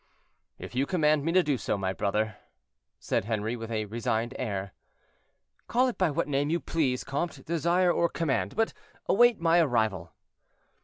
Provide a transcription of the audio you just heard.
"If you command me to do so, my brother," said Henri, with a resigned air. "Call it by what name you please, comte, desire or command; but await my arrival."